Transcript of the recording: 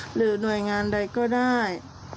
หรือหน่วยงานใดก็ได้